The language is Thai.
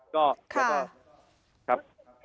ครับ